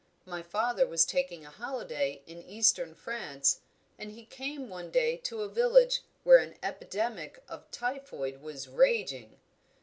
My father was taking a holiday in eastern France, and he came one day to a village where an epidemic of typhoid was raging.